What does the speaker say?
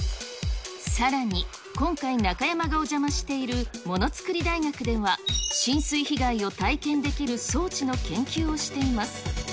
さらに今回、中山がお邪魔しているものつくり大学では、浸水被害を体験できる装置の研究をしています。